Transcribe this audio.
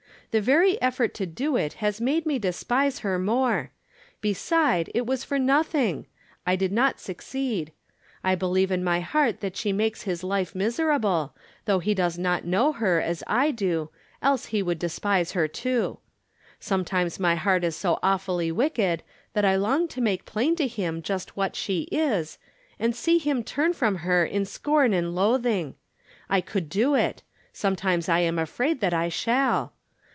The very effort to do it has made me despise her more ; be side, it was for nothing ; I did not succeed. I believe in my heart that she makes his life miser able, though he does not know her, as I do, else he would despise her too. Sometimes my heart is so awfully wicked that I long to make plain to him just what she is, and see him turn from her in scorn and loathing. I could do it^ sometimes I am afraid that I shall.